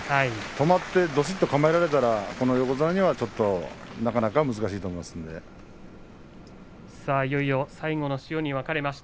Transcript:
止まってどしっと構えられたらばこの横綱にはなかなか難しいと思います。